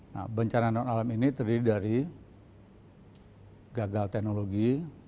nah bencana non alam ini terdiri dari gagal teknologi